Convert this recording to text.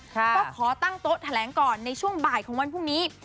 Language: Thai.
ก็ขอตั้งโต๊ะแถลงก่อนในช่วงบ่ายของวันพรุ่งนี้